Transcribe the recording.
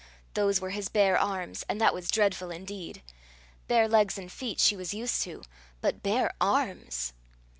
Those were his bare arms, and that was dreadful indeed! Bare legs and feet she was used to; but bare arms!